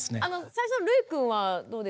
最初のるいくんはどうですか？